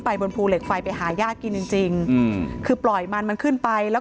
ไปบนภูเหล็กไฟไปหาญาติกินจริงคือปล่อยมันมันขึ้นไปแล้ว